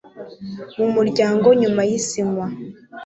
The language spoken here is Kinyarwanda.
mu muryango nyuma y isinywa